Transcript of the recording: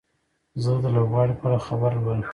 زه د لوبغاړي په اړه خبر لولم.